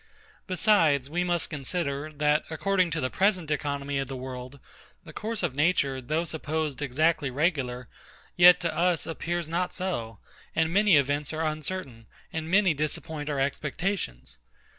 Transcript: Besides, we must consider, that, according to the present economy of the world, the course of nature, though supposed exactly regular, yet to us appears not so, and many events are uncertain, and many disappoint our expectations.